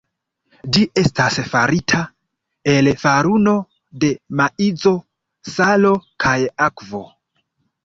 Ĝi estas farita el faruno de maizo, salo kaj akvo.